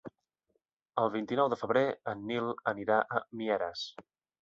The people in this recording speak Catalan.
El vint-i-nou de febrer en Nil anirà a Mieres.